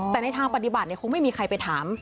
แต่ในทางปฏิบัติคงไม่มีใครไปถาม